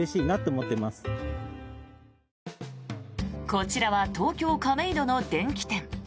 こちらは東京・亀戸の電器店。